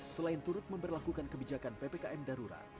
selain turut memperlakukan kebijakan ppkm darurat